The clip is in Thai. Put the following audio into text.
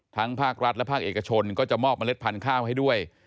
ภาครัฐและภาคเอกชนก็จะมอบเล็ดพันธุ์ข้าวให้ด้วย